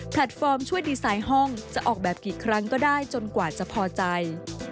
ฟอร์มช่วยดีไซน์ห้องจะออกแบบกี่ครั้งก็ได้จนกว่าจะพอใจ